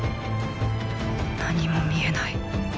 何も見えない